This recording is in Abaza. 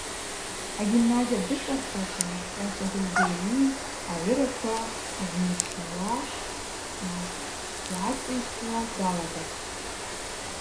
Агимназия дыцӏаркӏвата Кӏьачв Адыльгьари агӏвыраква гӏанйыршауа, йгӏацӏищтуа далагатӏ.